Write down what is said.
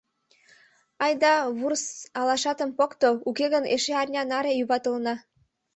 — Айда, вурс алашатым покто, уке гын эше арня наре юватылына.